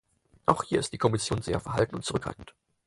Auch hier ist die Kommission sehr verhalten und zurückhaltend.